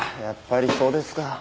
やっぱりそうですか。